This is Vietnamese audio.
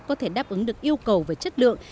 có thể đáp ứng được yêu cầu về chất lượng